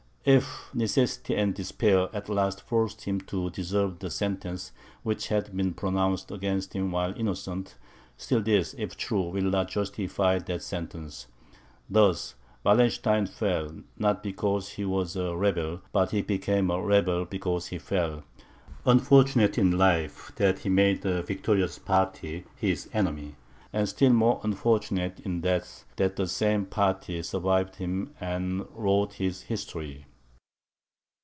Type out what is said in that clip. If necessity and despair at last forced him to deserve the sentence which had been pronounced against him while innocent, still this, if true, will not justify that sentence. Thus Wallenstein fell, not because he was a rebel, but he became a rebel because he fell. Unfortunate in life that he made a victorious party his enemy, and still more unfortunate in death, that the same party survived him and wrote his history.